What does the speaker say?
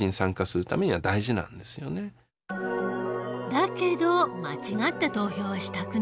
だけど間違った投票はしたくない。